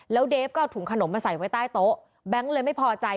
แล้วเดฟก็เอาถุงขนมมาใส่ไว้ใต้โต๊ะแบงค์เลยไม่พอใจ